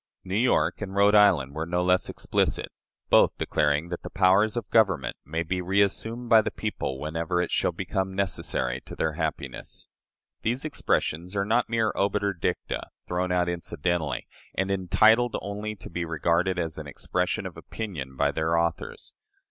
" New York and Rhode Island were no less explicit, both declaring that "the powers of government may be reassumed by the people whenever it shall become necessary to their happiness." These expressions are not mere obiter dicta, thrown out incidentally, and entitled only to be regarded as an expression of opinion by their authors.